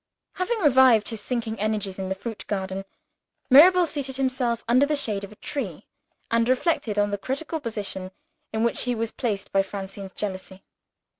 Having revived his sinking energies in the fruit garden, Mirabel seated himself under the shade of a tree, and reflected on the critical position in which he was placed by Francine's jealousy.